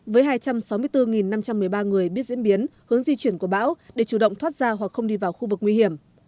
với hai trăm sáu mươi bốn năm trăm một mươi ba người biết diễn biến hướng di chuyển của bão để chủ động thoát ra hoặc không đi vào khu vực nguy hiểm